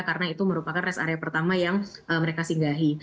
karena itu merupakan rest area pertama yang mereka singgahi